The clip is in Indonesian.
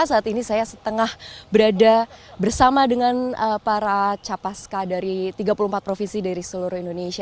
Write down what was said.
saat ini saya setengah berada bersama dengan para capaska dari tiga puluh empat provinsi dari seluruh indonesia